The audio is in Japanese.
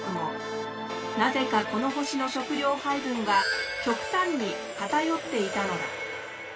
なぜかこの星の食料配分は極端に偏っていたのだ。